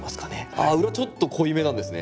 あっ裏ちょっと濃いめなんですね。